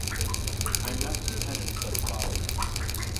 I am not content with such folly.